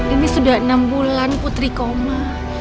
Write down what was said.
ini sudah enam bulan putri koma